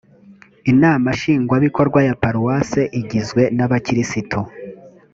inama nshingwabikorwa ya paruwase igizwe nabakirisitu